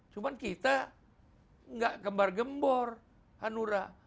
cuma kita nggak gembar gembor hanura